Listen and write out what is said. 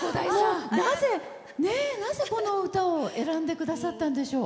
なぜ、この歌を選んでくださったんでしょう？